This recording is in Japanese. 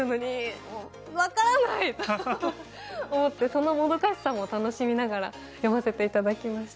そのもどかしさも楽しみながら読ませていただきました。